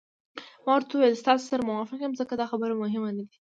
ما ورته وویل: ستاسي سره موافق یم، ځکه دا خبرې مهمې نه دي.